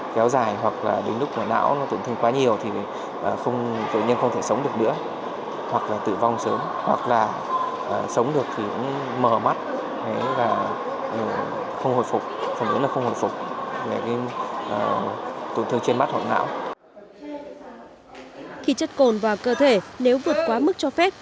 khi chất cồn vào cơ thể nếu vượt quá mức cho phép